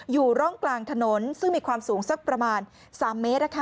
อยู่ร่องกลางถนนซึ่งมีความสูงสักประมาณ๓เมตร